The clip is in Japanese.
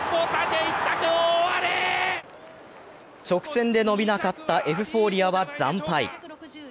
直線で伸びなかったエフフォーリアは惨敗。